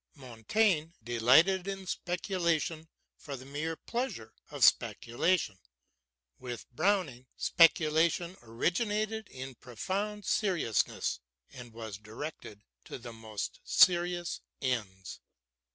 Montaigne delighted in speculation for the mere pleasure of speculation. With Browning speculation originated in profound seriousness, and was directed to the most serious ends.